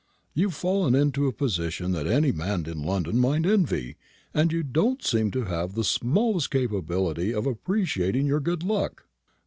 You've fallen into a position that any man in London might envy, and you don't seem to have the smallest capability of appreciating your good luck."